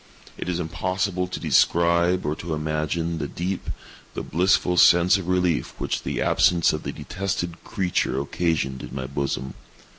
It is impossible to describe, or to imagine, the deep, the blissful sense of relief which the absence of the detested creature occasioned in my bosom.